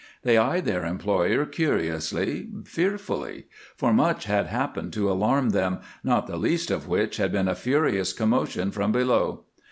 They eyed their employer curiously, fearfully, for much had happened to alarm them, not the least of which had been a furious commotion from below.